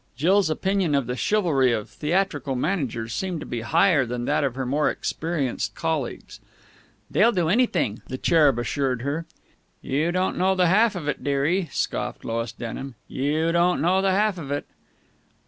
Jill's opinion of the chivalry of theatrical managers seemed to be higher than that of her more experienced colleagues. "They'll do anything," the Cherub assured her. "You don't know the half of it, dearie," scoffed Lois Denham. "You don't know the half of it!"